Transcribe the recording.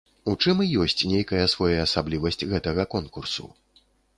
У чым і ёсць нейкая своеасаблівасць гэтага конкурсу.